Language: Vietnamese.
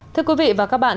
thưa quý vị và các bạn